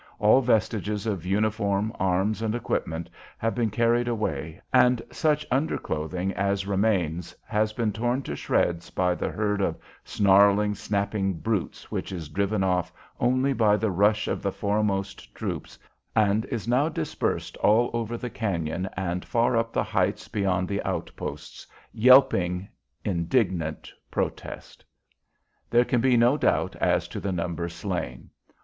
All vestiges of uniform, arms, and equipment have been carried away, and such underclothing as remains has been torn to shreds by the herd of snarling, snapping brutes which is driven off only by the rush of the foremost troopers, and is now dispersed all over the cañon and far up the heights beyond the outposts, yelping indignant protest. There can be no doubt as to the number slain.